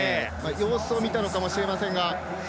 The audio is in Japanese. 様子を見たのかもしれませんが。